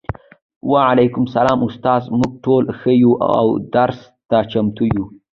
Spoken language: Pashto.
وعلیکم السلام استاده موږ ټول ښه یو او درس ته چمتو یو